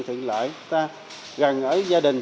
thượng lợi chúng ta gần ở gia đình